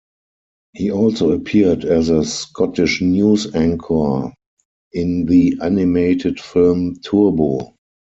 He also appeared as a Scottish news anchor in the animated film "Turbo".